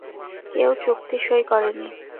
কেউ চুক্তি সই করেনি।